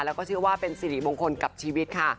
แล้วก็เชื่อว่าเป็นสิริมงคลกับชีวิตค่ะ